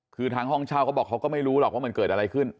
คือทางห้องเช่าเขาบอกเขาก็ไม่รู้หรอกว่ามันเกิดอะไรขึ้น